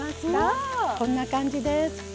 わあ！こんな感じです。